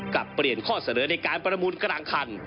เปลี่ยนข้อเสนอในการประมูลกลางคัน